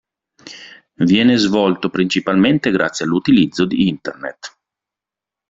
Viene svolto principalmente grazie all'utilizzo di Internet.